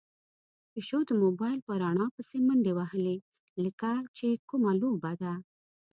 پيشو د موبايل په رڼا پسې منډې وهلې، لکه چې کومه لوبه ده.